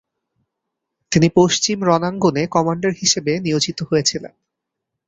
তিনি পশ্চিম রণাঙ্গনে কমান্ডার হিসেবে নিয়োজিত হয়েছিলেন।